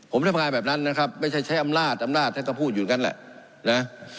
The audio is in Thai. ผมทำงานแบบนั้นนะครับไม่ใช่ใช้อำนาจอำนาจท่านก็พูดอยู่อย่างนั้นแหละนะ